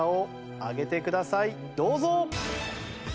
どうぞ！